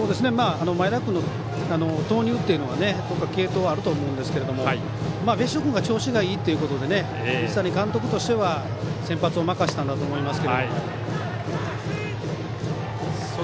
前田君の投入というのは継投あると思うんですが別所君が調子がいいということで西谷監督としては先発を任せたんだと思います。